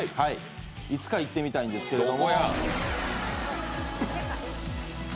いつか行ってみたいんですけど。